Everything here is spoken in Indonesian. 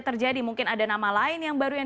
terjadi mungkin ada nama lain yang baru yang